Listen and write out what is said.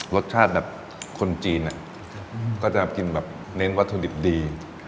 รสชาติแบบคนจีนก็จะกินแบบเน้นวัตถุดิบดี